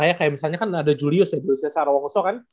kayak misalnya kan ada julius ya julius cesaro wongoso kan